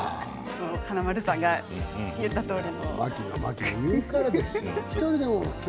華丸さんが言ったとおり。